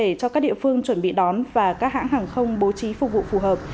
để cho các địa phương chuẩn bị đón và các hãng hàng không bố trí phục vụ phù hợp